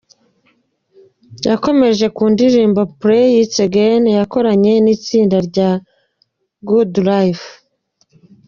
Yakomereje ku ndirimbo 'Play it again' yakoranye n'itsinda rya Good Lyfe.